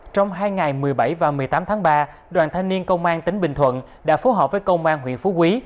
trong hai ngày một mươi bảy và một mươi tám tháng ba đoàn thanh niên công an tỉnh bình thuận đã phối hợp với công an huyện phú quý